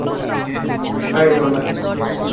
High, লোলা।